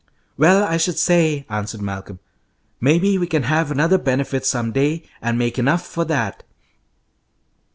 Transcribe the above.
"Well, I should say!" answered Malcolm. "Maybe we can have another benefit some day and make enough for that."